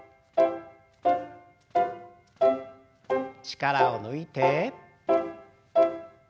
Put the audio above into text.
力を抜いて。